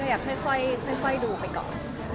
อยากค่อยดูไปก่อน